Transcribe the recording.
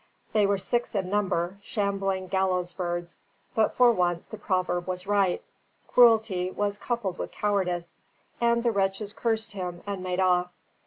They were six in number, shambling gallowsbirds; but for once the proverb was right, cruelty was coupled with cowardice, and the wretches cursed him and made off.